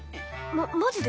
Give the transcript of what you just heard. ママジで！？